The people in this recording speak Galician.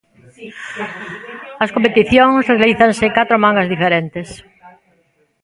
As competicións realízanse en catro mangas diferentes.